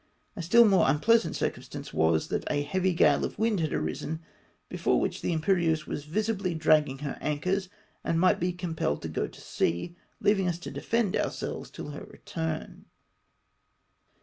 A still more un pleasant circumstance was, that a heavy gale of ^^nd had arisen, before which the Imperieuse was visibly dragging her anchors, and might be compelled to go to sea, leaving us to defend ourselves till her return.